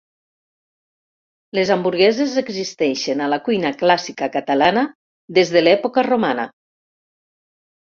Les hamburgueses existeixen a la cuina clàssica catalana des de l'època romana.